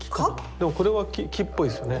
でもこれは木っぽいですね。